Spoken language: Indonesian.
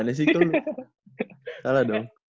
gimana sih itu salah dong